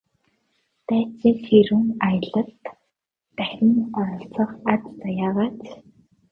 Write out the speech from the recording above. Дайчин ширүүн аялалд дахин оролцох аз заяагаач!